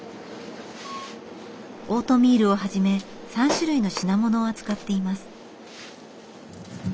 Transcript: オートミールをはじめ３種類の品物を扱っています。